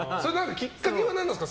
きっかけは何なんですか？